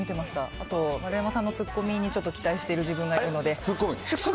あと、丸山さんの突っ込みに、ちょっと期待している自分がいるので。